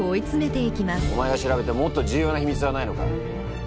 お前が調べたもっと重要な秘密はないのか？